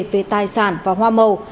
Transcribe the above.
về tài sản và hoa màu